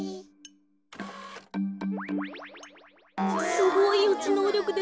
すごいよちのうりょくですね。